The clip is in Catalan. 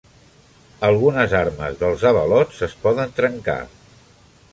Algunes armes dels avalots es poden trencar.